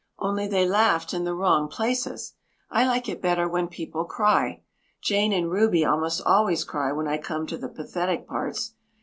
Only they laughed in the wrong places. I like it better when people cry. Jane and Ruby almost always cry when I come to the pathetic parts.